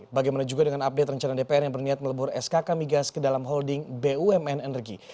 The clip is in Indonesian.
bagaimana juga dengan update rencana dpr yang berniat melebur skk migas ke dalam holding bumn energi